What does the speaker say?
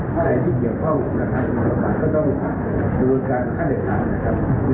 ใครที่เขียนเข้าประกาศก็ต้องบุคคลดการณ์ค่าเด็ดสารนะครับ